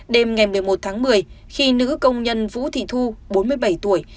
đêm ngày một mươi một tháng một mươi khi nữ công nhân vũ thị thu bốn mươi bảy tuổi